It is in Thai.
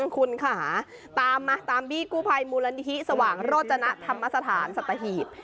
คุณขาตามมาตามบิโกภัยมุรณิภีศสว่างโรจชณะธรรมสถานสตหีษ